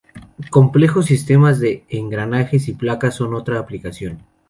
Complejos sistemas de engranajes y palancas son otra aplicación.